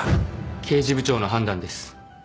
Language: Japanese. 刑事部長の判断です。